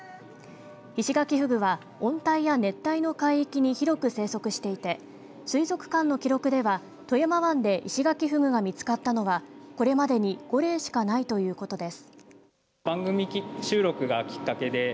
イシガキフグは温帯や熱帯の海域に広く生息していて水族館の記録では富山湾でイシガキフグが見つかったのはこれまでに５例しかないということです。